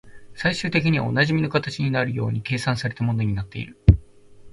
最終的にはおなじみの形になるように計算された物になっている